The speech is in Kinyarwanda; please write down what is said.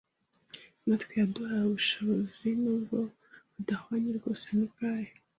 natwe yaduhaye ubushobozi nubwo budahwanye rwose n’ubwayo.